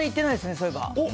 そういえば。